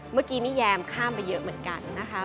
เมื่อกี้นี่แยมข้ามไปเยอะเหมือนกันนะคะ